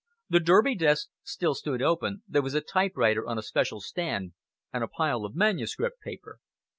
The Derby desk still stood open, there was a typewriter on a special stand, and a pile of manuscript paper.